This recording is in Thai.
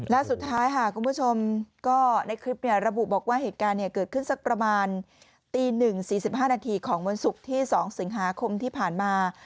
และสุดท้ายค่ะคุณผู้ชมก็ในคลิประบุบอกว่าเหตุการณ์เกิดขึ้นสักประมาณตี๑๔๕นาทีของวันศุกร์ที่๒สิงหาคมที่ผ่านมา